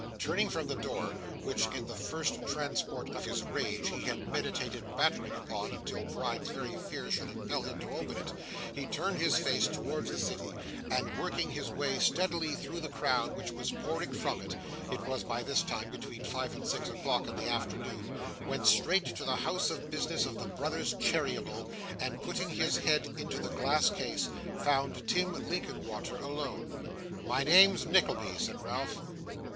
Turning from the door, which, in the first transport of his rage, he had meditated battering upon until Gride's very fears should impel him to open it, he turned his face towards the city, and working his way steadily through the crowd which was pouring from it (it was by this time between five and six o'clock in the afternoon) went straight to the house of business of the brothers Cheeryble, and putting his head into the glass case, found Tim Linkinwater alone. 'My name's Nickleby,' said Ralph.